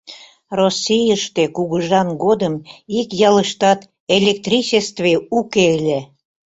Российыште кугыжан годым ик ялыштат электричестве уке ыле.